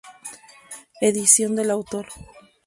Edición del autor.